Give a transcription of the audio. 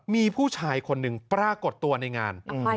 มีผู้ชายคนหนึ่งปรากฏตัวในงาน